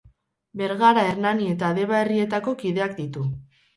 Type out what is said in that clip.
Bergara, Hernani eta Deba herrietako kideak ditu.